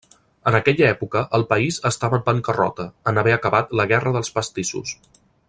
En aquella època el país estava en bancarrota, en haver acabat la Guerra dels Pastissos.